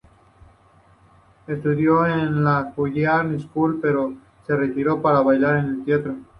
Estudió en la Juilliard School, pero se retiró para bailar en el teatro.